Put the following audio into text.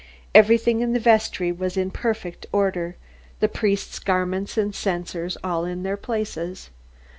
Everything in the vestry was in perfect order; the priest's garments and the censers all in their places.